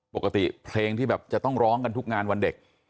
ปกติเพลงที่แบบจะต้องร้องกันทุกงานวันเด็ก